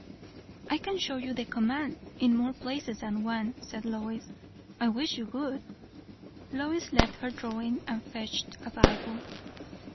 "I can show you the command in more places than one," said Lois. "I wish you would." Lois left her drawing and fetched a Bible.